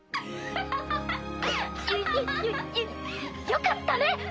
よかったね